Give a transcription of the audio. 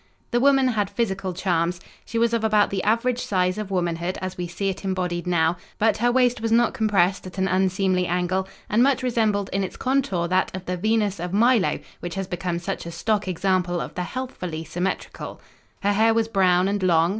The woman had physical charms. She was of about the average size of womanhood as we see it embodied now, but her waist was not compressed at an unseemly angle, and much resembled in its contour that of the Venus of Milo which has become such a stock example of the healthfully symmetrical. Her hair was brown and long.